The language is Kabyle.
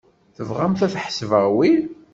Tebɣamt ad ḥesbeɣ wi?